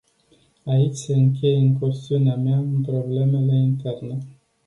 Aici se încheie incursiunea mea în problemele interne.